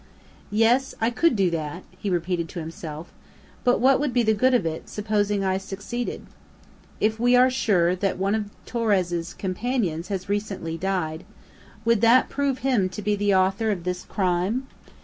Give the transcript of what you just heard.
"Yes! I could do that," he repeated to himself; "but what would be the good of it, supposing I succeeded? If we are sure that one of Torres' companions has recently died, would that prove him to be the author of this crime?